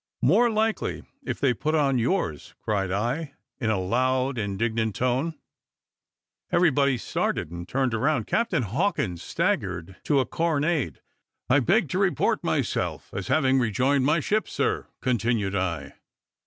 "More likely if they put on yours," cried I, in a loud indignant tone. Everybody started, and turned round; Captain Hawkins staggered to a carronade: "I beg to report myself as having rejoined my ship, sir," continued I.